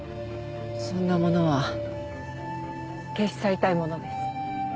そんなものは消し去りたいものです。